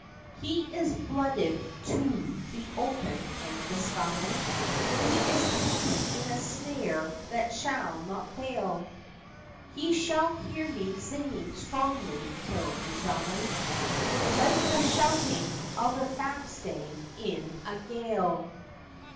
He is blooded to the open and the sky, He is taken in a snare that shall not fail, He shall hear me singing strongly, till he die, Like the shouting of a backstay in a gale.